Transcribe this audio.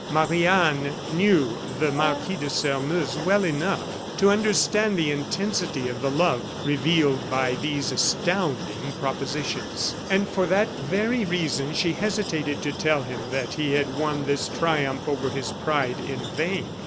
Marie Anne knew the Marquis de Sairmeuse well enough to understand the intensity of the love revealed by these astounding propositions. And for that very reason she hesitated to tell him that he had won this triumph over his pride in vain.